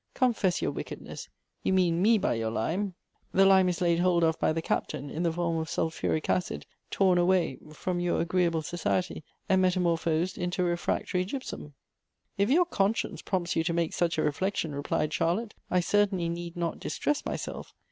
Confess your wickedness ! You mean me by your lime ; the lime is laid hold of by the Captain, in the formi of sulphuric acid, torn away from your agreeable society, and meta morphosed into a refractory gypsum." " If your conscience prompts you to make such a reflec tion," replied Charlotte, "I certainly need not distress myself.